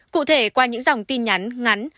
cụ thể qua những dòng tin nhắn ngắn